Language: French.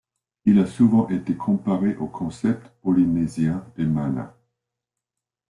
Il a souvent été comparé au concept polynésien de mana.